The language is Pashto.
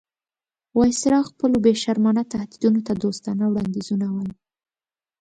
وایسرا خپلو بې شرمانه تهدیدونو ته دوستانه وړاندیزونه وایي.